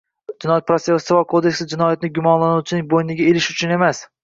Jinoyat-protsessual kodeks jinoyatni gumonlanuvchining «bo‘yniga ilish» uchun emas